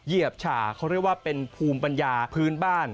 เหยียบฉาเขาเรียกว่าเป็นภูมิปัญญาพื้นบ้าน